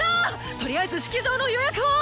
とりあえず式場の予約を！